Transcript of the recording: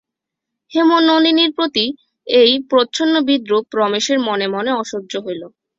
হেমনলিনীর প্রতি এই প্রচ্ছন্ন বিদ্রূপ রমেশের মনে মনে অসহ্য হইল।